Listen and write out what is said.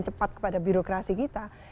cepat kepada birokrasi kita